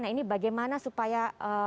nah ini bagaimana supaya